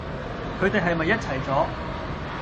佢地係咪一齊咗？